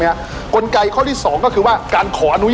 อัศวินตรีอัศวินตรี